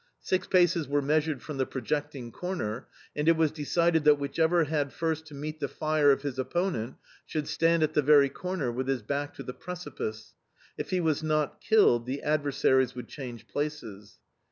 Six paces were measured from the projecting corner, and it was decided that whichever had first to meet the fire of his opponent should stand in the very corner with his back to the precipice; if he was not killed the adversaries would change places.